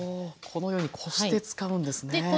このようにこして使うんですね。